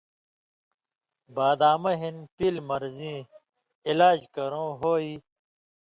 بادامہ ہِن پیلیۡ مرضیں علاج کیرُوں ہو یی؟